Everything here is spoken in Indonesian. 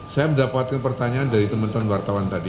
saya mendapatkan pertanyaan dari teman teman wartawan tadi